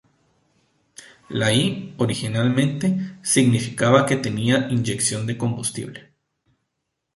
La 'i', originalmente, significaba que tenía inyección de combustible.